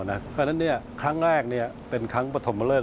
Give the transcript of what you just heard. เพราะฉะนั้นครั้งแรกเป็นครั้งปฐมเลิศ